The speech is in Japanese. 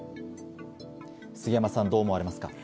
杉山さん、どう思われますか？